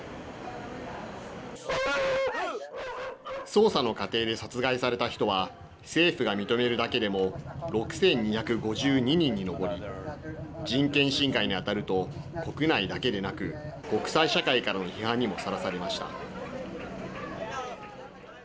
捜査の過程で殺害された人は政府が認めるだけでも６２５２人に上り人権侵害に当たると国内だけでなく国際社会からの批判にもさらされました。